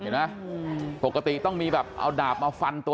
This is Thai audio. ปกติต้องมีแบบเอาดาบมาฟันตัว